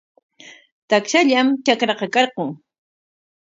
Takshallam trakraqa karqun.